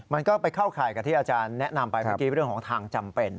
มันก็ไปเข้าข่ายกับที่อาจารย์แนะนำไปเมื่อกี้เรื่องของทางจำเป็น